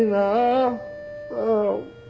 あぁ。